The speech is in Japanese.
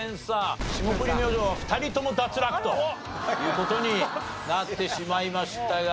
霜降り明星２人とも脱落という事になってしまいましたが。